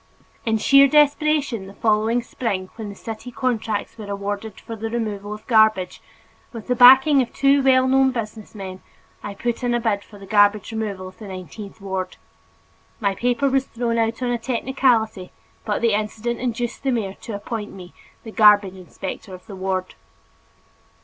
In sheer desperation, the following spring when the city contracts were awarded for the removal of garbage, with the backing of two well known business men, I put in a bid for the garbage removal of the nineteenth ward. My paper was thrown out on a technicality but the incident induced the mayor to appoint me the garbage inspector of the ward.